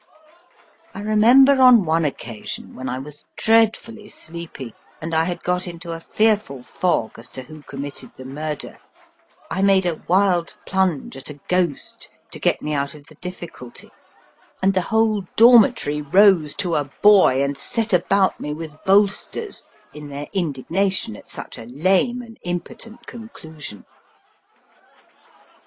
I remember on one occasion, when I was dreadfully sleepy, and I had got into a fearful fog as to who committed the murder, I made a wild plunge at a ghost to get me out of the difficulty, and the whole dormitory rose to a boy and set about me with bolsters in their indignation at such a lame and impotent conclusion.